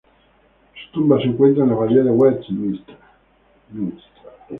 Su tumba se encuentra en la Abadía de Westminster.